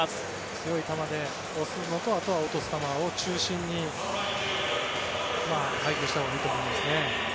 強い球で押すのとあとは落とす球を中心に配球したほうがいいと思いますね。